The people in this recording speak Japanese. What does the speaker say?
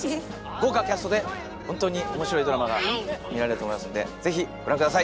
豪華キャストで本当に面白いドラマが見られると思いますのでぜひご覧下さい！